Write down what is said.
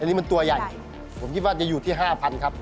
อันนี้มันตัวใหญ่ผมคิดว่าจะอยู่ที่๕๐๐ครับ